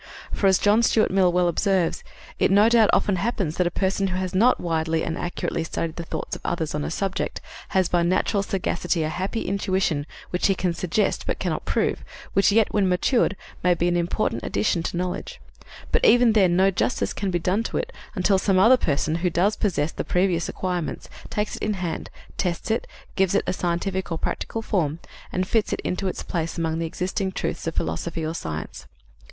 For, as John Stuart Mill well observes: "It no doubt often happens that a person who has not widely and accurately studied the thoughts of others on a subject has by natural sagacity a happy intuition which he can suggest but cannot prove, which yet, when matured, may be an important addition to knowledge: but, even then, no justice can be done to it until some other person, who does possess the previous acquirements, takes it in hand, tests it, gives it a scientific or practical form, and fits it into its place among the existing truths of philosophy or science.